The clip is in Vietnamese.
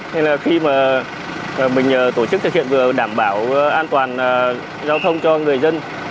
nên là khi mà mình tổ chức thực hiện vừa đảm bảo an toàn giao thông cho người dân